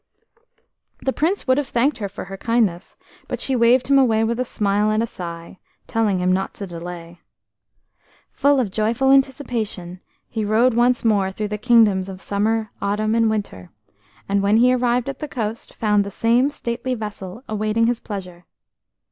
HE Prince would have thanked her for her kindness, but she waved him away with a smile and a sigh, telling him not to delay. Full of joyful anticipation, he rode once more through the kingdoms of Summer, Autumn, and Winter, and when he arrived at the coast found the same stately vessel awaiting his pleasure.